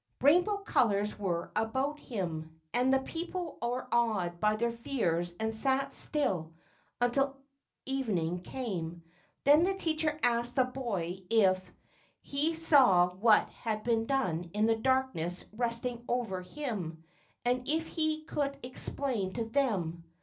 Rainbow colors were about him, and the people were awed by their fears and sat still until even¬ ing came. Then the teacher asked the boy if he saw what had been done in the darkness rest¬ ing over him, and if he could explain to them.